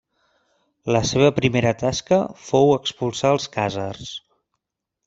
La seva primera tasca fou expulsar als Khàzars.